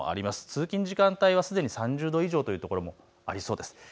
通勤時間帯はすでに３０度以上という所もありそうです。